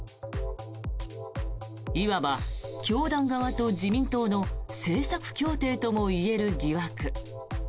いわば教団側と自民党の政策協定ともいえる疑惑。